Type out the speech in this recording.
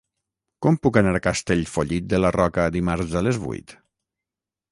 Com puc anar a Castellfollit de la Roca dimarts a les vuit?